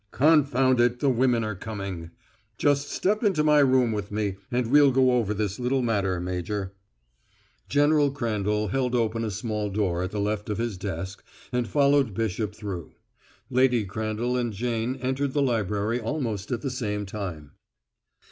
"Confound it; the women are coming! Just step into my room with me, and we'll go over this little matter, Major." General Crandall held open a small door at the left of his desk and followed Bishop through. Lady Crandall and Jane entered the library almost at the same time.